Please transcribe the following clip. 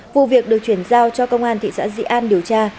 vụ việc được chuyển giao cho công an thị xã dị an điều tra